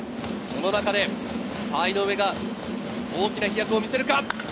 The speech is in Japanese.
その中で井上が大きな飛躍を見せるか？